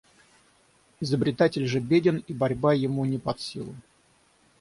Изобретатель же беден и борьба ему не под силу.